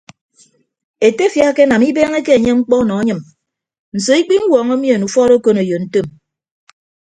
Etefia akenam ibeeñeke enye mkpọ nọ anyịm nso ikpiñwuọñọ mien ufọọd okoneyo ntom.